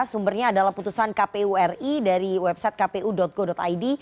sumbernya adalah putusan kpu ri dari website kpu go id